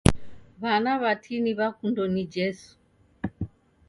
W'ana w'atini w'akundo ni Jesu